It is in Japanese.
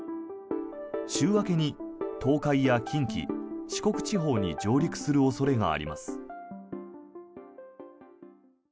週明けに東海や近畿、四国地方に上陸する恐れがあります。